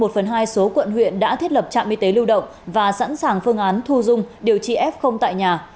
một phần hai số quận huyện đã thiết lập trạm y tế lưu động và sẵn sàng phương án thu dung điều trị f tại nhà